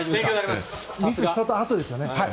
ミスしたあとですよね。